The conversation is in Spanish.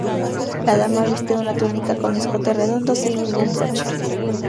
La Dama viste una túnica con escote redondo, sin ningún broche.